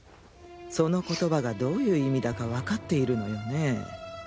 その言葉がどういう意味だか分かっているのよね？